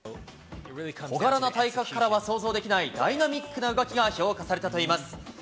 小柄な体格からは想像できないダイナミックな動きが評価されたといいます。